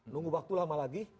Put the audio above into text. nunggu waktu lama lagi